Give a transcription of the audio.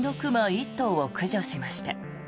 １頭を駆除しました。